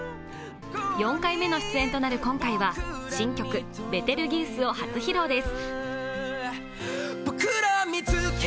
４回目の出演となる今回は新曲「ベテルギウス」を初披露です。